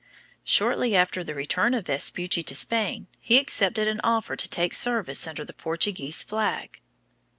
Shortly after the return of Vespucci to Spain, he accepted an offer to take service under the Portuguese flag.